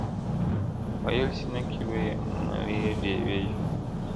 • وېل سینه کي به یې مړې ډېوې ژوندۍ کړم..